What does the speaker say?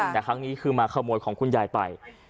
แต่ครั้งนี้คือมาขโมยของคุณยายไป